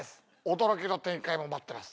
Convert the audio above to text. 驚きの展開も待ってます